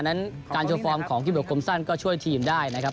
นั้นการโชว์ฟอร์มของกิเบลคมสั้นก็ช่วยทีมได้นะครับ